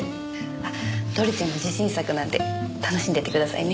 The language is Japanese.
あっドルチェも自信作なんで楽しんでいってくださいね。